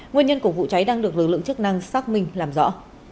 nguyên nhân của vụ cháy đang được lực lượng chức năng xác minh làm rõ